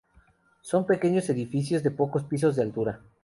Son pequeños edificios de pocos pisos de altura.